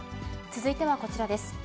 続いてはこちらです。